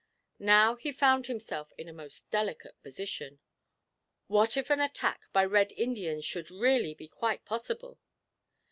Now he found himself in a most delicate position: what if an attack by Red Indians should really be quite possible?